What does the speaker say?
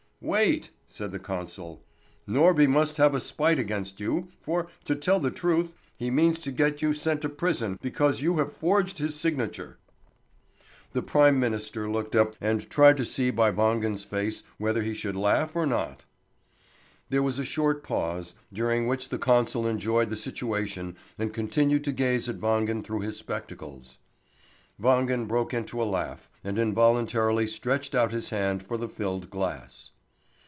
"Wait!" said the consul. "Norby must have a spite against you, for, to tell the truth, he means to get you sent to prison because you have forged his signature." The prime minister looked up from his patience, and tried to see by Wangen's face whether he should laugh or not. There was a short pause, during which the consul enjoyed the situation and continued to gaze at Wangen through his spectacles. Wangen broke into a laugh, and involuntarily stretched out his hand for the filled glass.